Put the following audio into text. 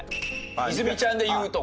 泉ちゃんで言うとか。